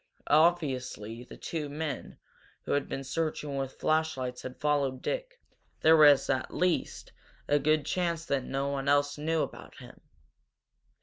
Obviously the two men who had been searching with flashlights had followed Dick, there was at least a good chance that no one else knew about him.